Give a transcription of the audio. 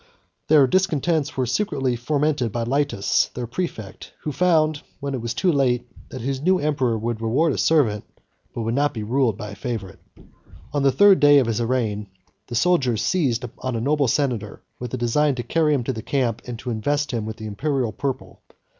Their discontents were secretly fomented by Lætus, their præfect, who found, when it was too late, that his new emperor would reward a servant, but would not be ruled by a favorite. On the third day of his reign, the soldiers seized on a noble senator, with a design to carry him to the camp, and to invest him with the Imperial purple.